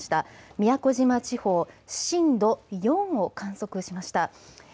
宮古島地方、震度４を観測しました。